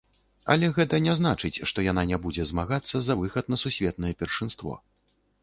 Але гэта не значыць, што яна не будзе змагацца за выхад на сусветнае першынство.